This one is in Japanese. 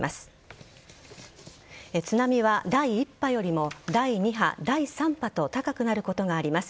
津波は第１波よりも、第２波、第３波と高くなることがあります。